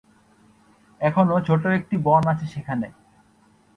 এখনো ছোট একটি বন আছে সেখানে।